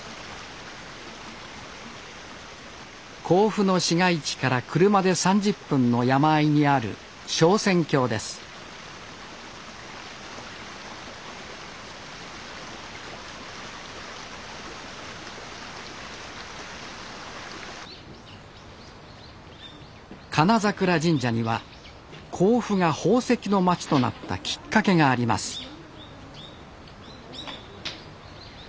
甲府の市街地から車で３０分の山あいにある金櫻神社には甲府が宝石の街となったきっかけがあります